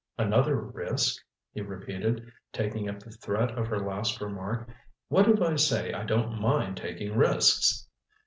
"Another risk?" he repeated, taking up the threat of her last remark. "What if I say I don't mind taking risks?"